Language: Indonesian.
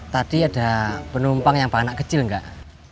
tadi ada penumpang yang anak kecil enggak